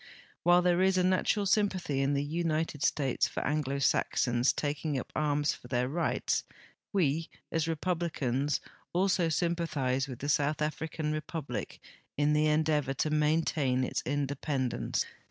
While there is a natural sympathy in the United States for Anglo Saxons taking up arms for their rights, Ave, as Republicans, also sympathize with the South African Republic in the endeavor to maintain its independence.